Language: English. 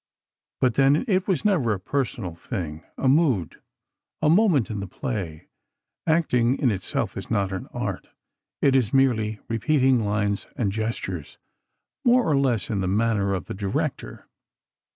But then it was never a personal thing—a mood—a moment in the play.... Acting in itself is not an art—it is merely repeating lines and gestures, more or less in the manner of the director.